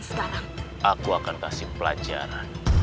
nah aku akan kasih pelajaran